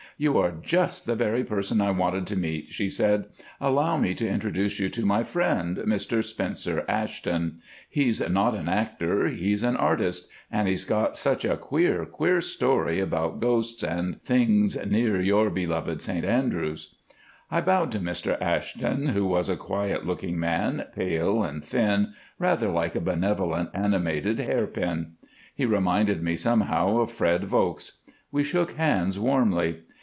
"You are just the very person I wanted to meet," she said. "Allow me to introduce you to my friend, Mr Spencer Ashton. He's not an actor, he's an artist, and he's got such a queer, queer story about ghosts and things near your beloved St Andrews." I bowed to Mr Ashton, who was a quiet looking man, pale and thin, rather like a benevolent animated hairpin. He reminded me somehow of Fred Vokes. We shook hands warmly.